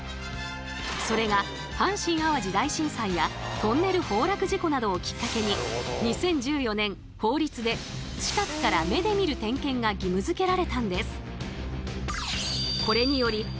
それが阪神・淡路大震災やトンネル崩落事故などをきっかけに２０１４年法律で近くから目で見る点検が義務づけられたんです。